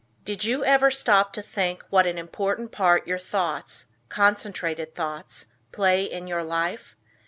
Did you ever stop to think what an important part your thoughts, concentrated thoughts, play in your life?